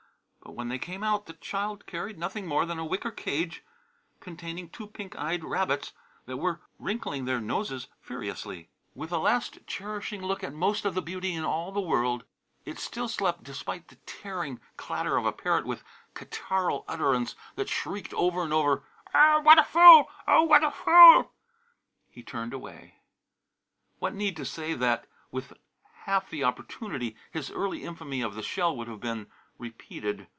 But when they came out the child carried nothing more than a wicker cage containing two pink eyed white rabbits that were wrinkling their noses furiously. With a last cherishing look at most of the beauty in all the world it still slept despite the tearing clatter of a parrot with catarrhal utterance that shrieked over and over, "Oh, what a fool! Oh, what a fool!" he turned away. What need to say that, with half the opportunity, his early infamy of the shell would have been repeated.